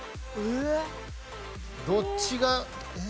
どっちが。